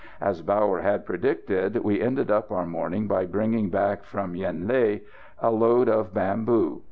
As Bauer had predicted, we ended up our morning by bringing back from Yen Lé a load of bamboo.